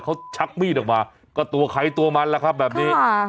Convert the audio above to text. เขาชักมีดออกมาก็ตัวใครตัวมันล่ะครับแบบนี้